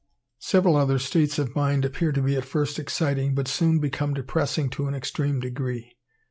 Several other states of mind appear to be at first exciting, but soon become depressing to an extreme degree.